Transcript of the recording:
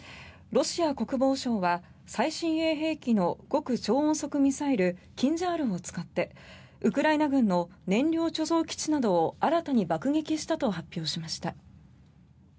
ロシア国防省は最新鋭兵器の極超音速ミサイルキンジャールを使ってウクライナ軍の燃料貯蔵基地などを新たに爆撃したと発表しました。